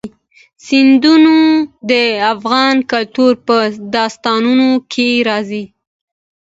سیندونه د افغان کلتور په داستانونو کې راځي.